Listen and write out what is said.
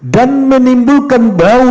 dan menimbulkan bau